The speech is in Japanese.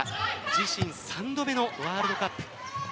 自身３度目のワールドカップ。